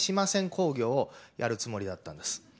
興行をやるつもりだったんです。